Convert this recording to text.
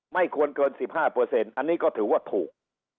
ไม่ควรเกิน๑๕อันนี้ก็ถือว่าถูก